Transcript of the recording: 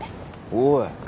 おい。